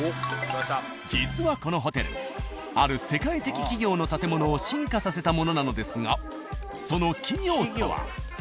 実はこのホテルある世界的企業の建物を進化させたものなのですがその企業とは？